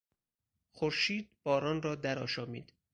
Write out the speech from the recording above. خورشید باران را درآشامید.